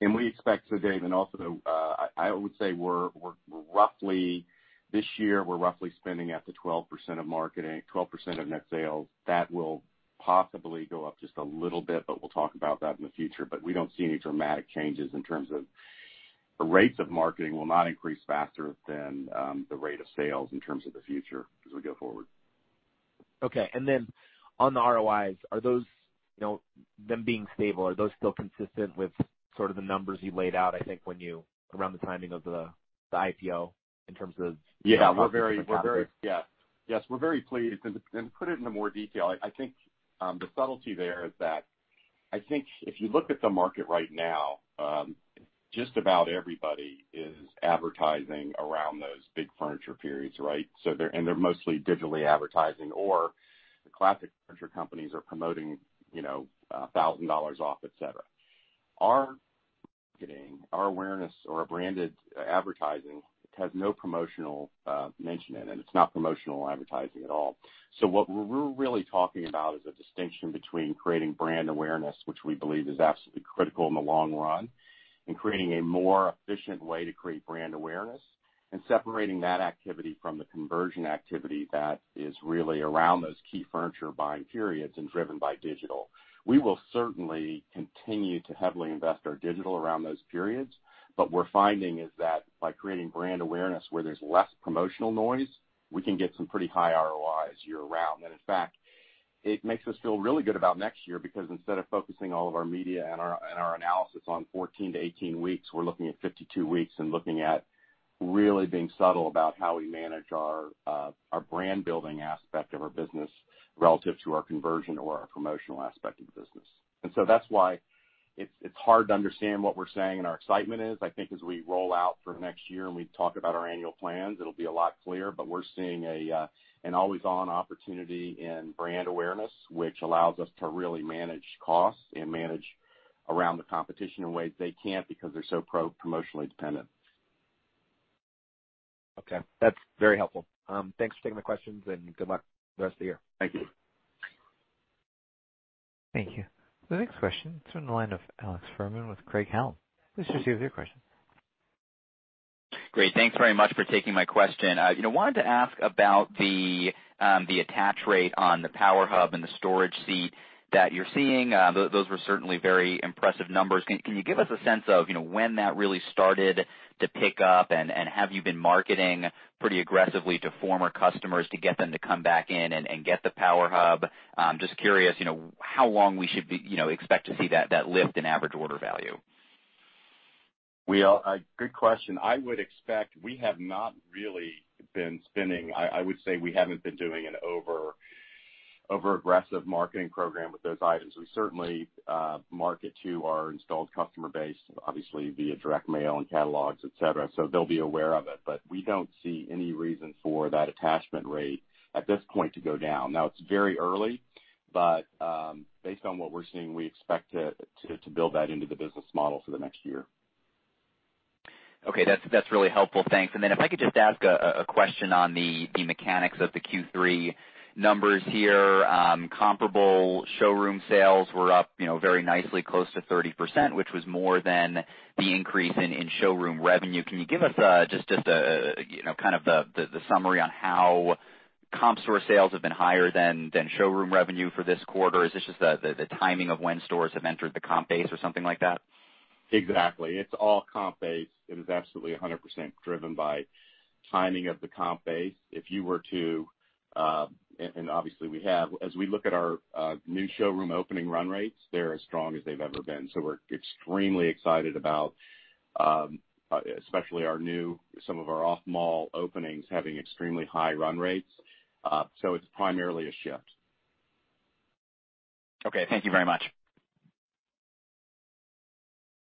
We expect so, Dave, and also I would say we're roughly spending this year at the 12% of marketing, 12% of net sales. That will possibly go up just a little bit, but we'll talk about that in the future. We don't see any dramatic changes in terms of the rates of marketing will not increase faster than the rate of sales in terms of the future as we go forward. Okay. On the ROIs, are those, you know, them being stable, are those still consistent with sort of the numbers you laid out, I think around the timing of the IPO in terms of- Yeah, we're very pleased. To put it into more detail, I think the subtlety there is that I think if you look at the market right now, just about everybody is advertising around those big furniture periods, right? So they're mostly digitally advertising or the classic furniture companies are promoting, you know, $1,000 off, et cetera. Our marketing, our awareness or our branded advertising has no promotional mention in it, and it's not promotional advertising at all. So what we're really talking about is a distinction between creating brand awareness, which we believe is absolutely critical in the long run, and creating a more efficient way to create brand awareness and separating that activity from the conversion activity that is really around those key furniture buying periods and driven by digital. We will certainly continue to heavily invest in our digital around those periods, but what we're finding is that by creating brand awareness where there's less promotional noise, we can get some pretty high ROIs year-round. In fact, it makes us feel really good about next year because instead of focusing all of our media and our analysis on 14-18 weeks, we're looking at 52 weeks and looking at really being subtle about how we manage our our brand building aspect of our business relative to our conversion or our promotional aspect of the business. That's why it's hard to understand what we're saying and our excitement is. I think as we roll out for next year and we talk about our annual plans, it'll be a lot clearer. We're seeing an always on opportunity in brand awareness, which allows us to really manage costs and manage around the competition in ways they can't because they're so promotionally dependent. Okay, that's very helpful. Thanks for taking the questions, and good luck with the rest of the year. Thank you. Thank you. The next question is from the line of Alex Fuhrman with Lucid Capital Markets. Please proceed with your question. Great. Thanks very much for taking my question. You know, wanted to ask about the attach rate on the Power Hub and the Storage Seat that you're seeing. Those were certainly very impressive numbers. Can you give us a sense of, you know, when that really started to pick up and have you been marketing pretty aggressively to former customers to get them to come back in and get the Power Hub? Just curious, you know, how long we should be, you know, expect to see that lift in average order value. Good question. I would expect we have not really been spending. I would say we haven't been doing an over-aggressive marketing program with those items. We certainly market to our installed customer base, obviously via direct mail and catalogs, et cetera, so they'll be aware of it. We don't see any reason for that attachment rate at this point to go down. Now, it's very early, based on what we're seeing, we expect to build that into the business model for the next year. Okay. That's really helpful. Thanks. Then if I could just ask a question on the mechanics of the Q3 numbers here. Comparable showroom sales were up, you know, very nicely close to 30%, which was more than the increase in showroom revenue. Can you give us just a you know, kind of the summary on how comp store sales have been higher than showroom revenue for this quarter? Is this just the timing of when stores have entered the comp base or something like that? Exactly. It's all comp-based. It is absolutely 100% driven by timing of the comp base. Obviously we have, as we look at our new showroom opening run rates, they're as strong as they've ever been. We're extremely excited about, especially some of our new off-mall openings having extremely high run rates. It's primarily a shift. Okay. Thank you very much.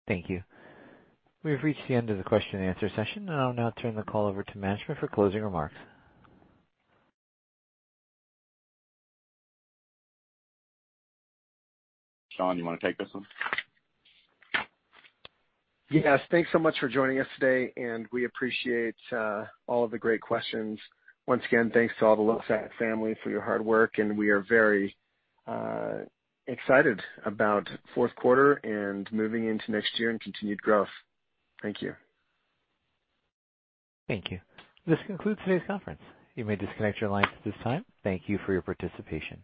Thank you. We have reached the end of the question and answer session. I'll now turn the call over to management for closing remarks. Shawn, you wanna take this one? Yes. Thanks so much for joining us today, and we appreciate all of the great questions. Once again, thanks to all the Lovesac family for your hard work, and we are very excited about fourth quarter and moving into next year and continued growth. Thank you. Thank you. This concludes today's conference. You may disconnect your lines at this time. Thank you for your participation.